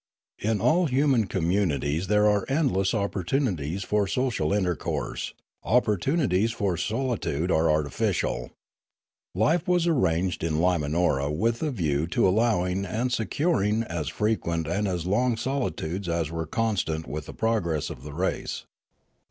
In all human communities there are endless opportunities for social intercourse; opportunities for solitude are artificial. Life was ar ranged in Limanora with a view to allowing and secur ing as frequent aud as long solitudes as were consonant with the progress of the race.